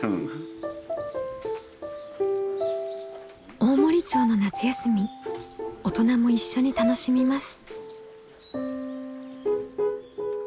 大森町の夏休み大人も一緒に楽しみます。